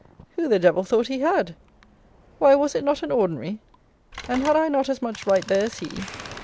Who the Devil thought he had? Why, was it not an ordinary; and had I not as much right there as he?